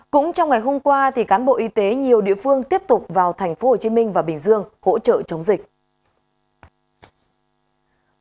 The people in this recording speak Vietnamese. cũng trong ngày hôm qua cán bộ y tế nhiều địa phương tiếp tục vào tp hcm và bình dương hỗ trợ chống dịch